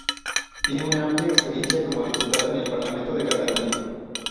Tiene una amplia experiencia como diputada en el Parlamento de Cataluña.